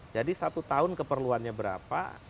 jadi satu tahun keperluannya berapa